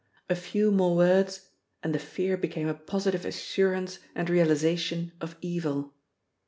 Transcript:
A few more words, and the fear became a positive assurance and realisation of evil.